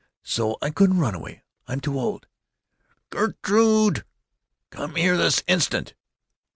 So I couldn't run away. I'm too old." "Gerrrtrrrude, come here this instant!"